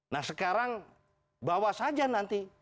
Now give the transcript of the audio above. nah sekarang bawa saja nanti